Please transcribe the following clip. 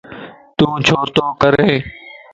تو ڇو تو ڪرين؟